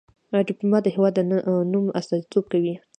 ډيپلومات د هېواد د نوم استازیتوب کوي.